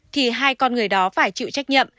thì hai con người đó phải chịu trách nhiệm